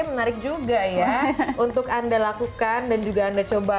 menarik juga ya untuk anda lakukan dan juga anda coba